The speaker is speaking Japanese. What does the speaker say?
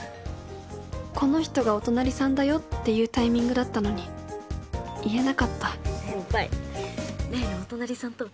「この人がお隣さんだよ」って言うタイミングだったのに言えなかった先輩例のお隣さんと。